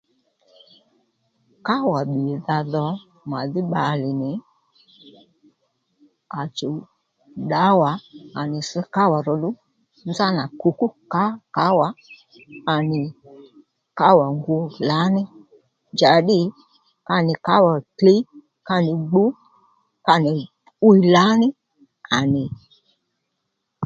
Kǎwà bbìydha dho màdhí bbalè nì à chǔw ddǎwà à nì sš kǎwà ròluw nzánà kùkú kǎ kǎwà à nì kǎwà ngǔ lǎní njǎddî ka nì kǎwà klǐ, ka nì gbu, ka nì 'wiy lǎní à nì